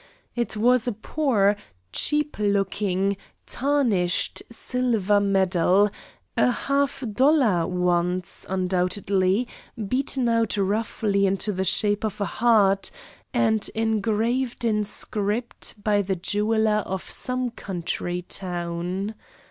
It was a poor, cheap looking, tarnished silver medal, a half dollar once, undoubtedly, beaten out roughly into the shape of a heart and engraved in script by the jeweller of some country town.